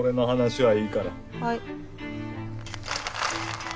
はい。